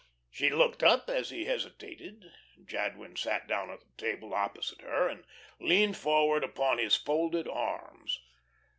She looked up as he hesitated. Jadwin sat down at the table opposite her and leaned forward upon his folded arms.